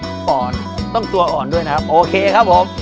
อ่อนต้องตัวอ่อนด้วยนะครับโอเคครับผม